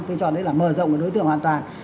tôi chọn đấy là mở rộng đối tượng hoàn toàn